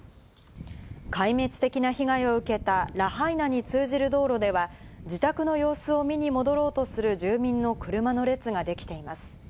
壊滅的な被害を受けたラハイナに通じる道路では、自宅の様子を見に戻ろうとする住民の車の列ができています。